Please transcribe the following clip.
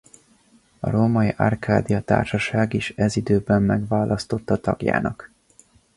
A római Arcadia Társaság is ez időben megválasztotta tagjának.